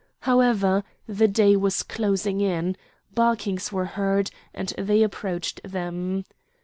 However, the day was closing in. Barkings were heard, and they approached them.